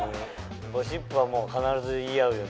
ゴシップはもう必ず言い合うよね。